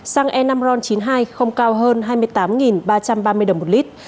xăng e năm ron chín mươi hai không cao hơn hai mươi tám ba trăm ba mươi đồng một lít